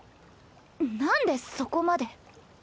なんでそこまで？